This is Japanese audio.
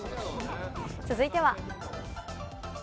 続いては。